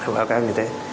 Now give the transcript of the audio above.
báo cáo như thế